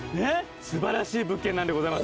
素晴らしい物件なんでございます。